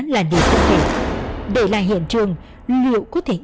là hầm đó ba người